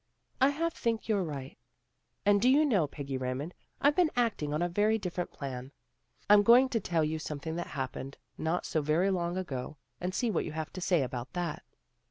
" I half think you're right. And do you know, Peggy Raymond, I've been acting on a A REMARKABLE EVENING 295 very different plan. I'm going to tell you something that happened not so very long ago and see what you have to say about that."